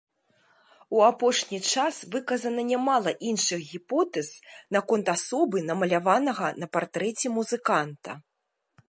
У апошні час выказана нямала іншых гіпотэз наконт асобы намаляванага на партрэце музыканта.